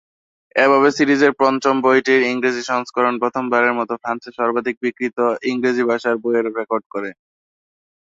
এভাবে সিরিজের পঞ্চম বইটির ইংরেজি সংস্করণ প্রথমবারের মত ফ্রান্সে সর্বাধিক বিক্রিত ইংরেজি ভাষার বইয়ের রেকর্ড করে।